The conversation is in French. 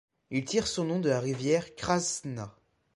Il tire son nom de la rivière Kraszna.